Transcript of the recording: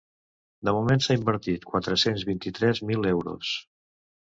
De moment s’han invertit quatre-cents vint-i-tres mil euros.